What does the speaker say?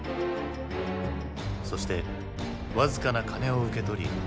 そして僅かな金を受け取り